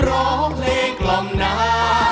ร้องเพลงกล่อมนา